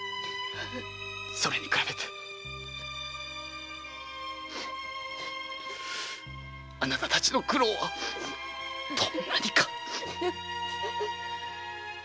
それに比べてあなたたちの苦労はどんなにか！